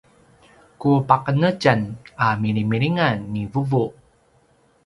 ku paqenetjen a milimilingan ni vuvu